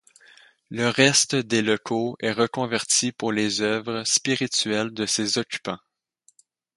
Le reste des locaux est reconverti pour les œuvres spirituelles de ses occupants.